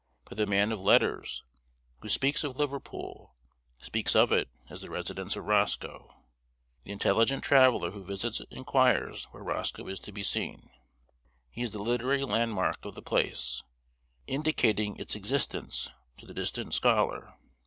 But the man of letters, who speaks of Liverpool, speaks of it as the residence of Roscoe. The intelligent traveller who visits it inquires where Roscoe is to be seen. He is the literary landmark of the place, indicating its existence to the distant scholar.